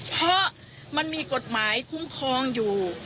เพราะมันมีกฎหมายคุ้มครองอยู่